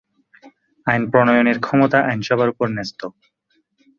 আইন প্রণয়নের ক্ষমতা আইনসভার উপর ন্যস্ত।